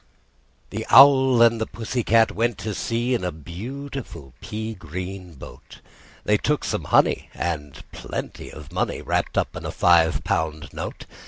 The Owl and the Pussy Cat went to sea In a beautiful pea green boat: They took some honey, and plenty of money Wrapped up in a five pound note.